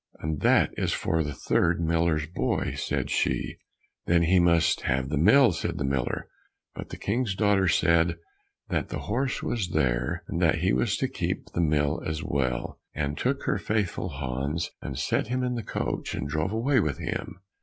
"And that is for the third miller's boy," said she. "Then he must have the mill," said the miller, but the King's daughter said that the horse was there, and that he was to keep his mill as well, and took her faithful Hans and set him in the coach, and drove away with him.